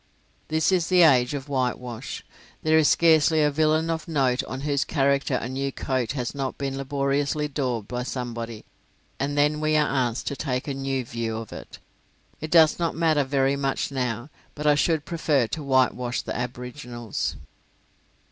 This is the age of whitewash. There is scarcely a villain of note on whose character a new coat has not been laboriously daubed by somebody, and then we are asked to take a new view of it. It does not matter very much now, but I should prefer to whitewash the aboriginals.